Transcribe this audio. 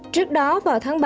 trước đó vào tháng bảy